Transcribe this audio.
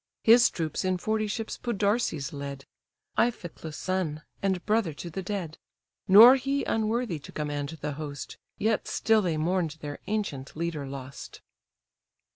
His troops in forty ships Podarces led, Iphiclus' son, and brother to the dead; Nor he unworthy to command the host; Yet still they mourn'd their ancient leader lost.